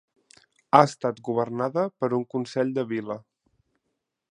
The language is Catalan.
Ha estat governada per un consell de vila.